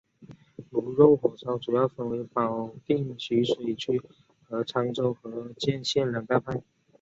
驴肉火烧主要分为保定徐水区和沧州河间县两大派。